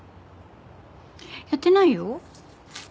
やってないよ。